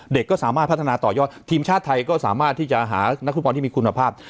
ก็สามารถพัฒนาต่อยอดทีมชาติไทยก็สามารถที่จะหานักฟุตบอลที่มีคุณภาพ